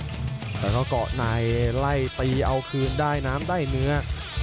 แล้วก็เกาะในไล่ตีเอาคืนได้น้ำได้เนื้อ